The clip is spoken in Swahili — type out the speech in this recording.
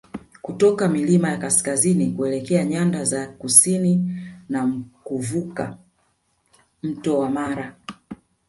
kutoka milima ya kaskazini kuelekea nyanda za kusini na kuvuka mto wa Mara